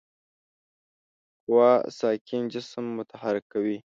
قوه ساکن جسم متحرک کوي.